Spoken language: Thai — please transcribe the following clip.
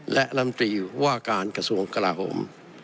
และรัฐมนตรีว่าการกระทรวงกระลาฮม